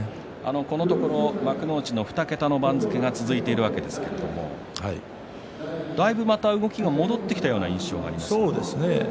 このところ幕内の２桁の番付が続いているわけですけれどだいぶまた動きが戻ってきたような印象がそうですね。